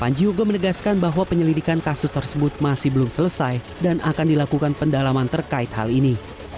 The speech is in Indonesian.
panji uga menegaskan bahwa penyelidikan kasus tersebut masih belum selesai dan akan dilakukan pendalaman terkait hal ini